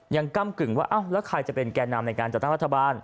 ก้ำกึ่งว่าอ้าวแล้วใครจะเป็นแก่นำในการจัดตั้งรัฐบาล